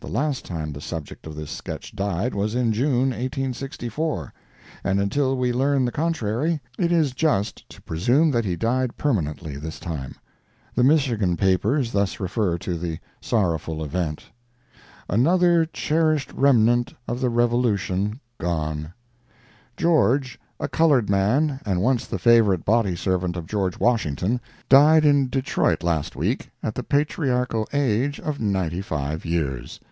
The last time the subject of this sketch died was in June, 1864; and until we learn the contrary, it is just to presume that he died permanently this time. The Michigan papers thus refer to the sorrowful event: ANOTHER CHERISHED REMNANT OF THE REVOLUTION GONE George, a colored man, and once the favorite body servant of George Washington, died in Detroit last week, at the patriarchal age of 95 years.